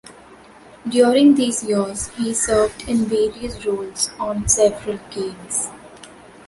During these years he served in various roles on several games.